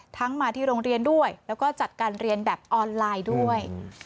มาที่โรงเรียนด้วยแล้วก็จัดการเรียนแบบออนไลน์ด้วย